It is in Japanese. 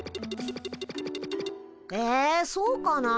えそうかな。